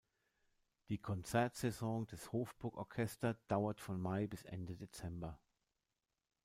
Die Konzertsaison des Hofburg Orchester dauert von Mai bis Ende Dezember.